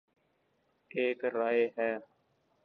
ایک رائے ہے۔